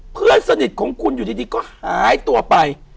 เพื่อนสนิทของคุณอยู่ดีก็หายตัวไป